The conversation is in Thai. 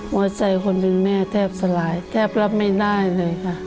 หัวใจคนเป็นแม่แทบสลายแทบรับไม่ได้เลยค่ะ